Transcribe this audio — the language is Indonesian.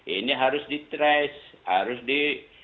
ini harus di trace harus di